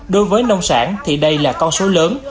đối với nông sản thì đây là con số lớn